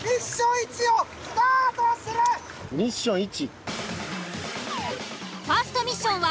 「ミッション１」？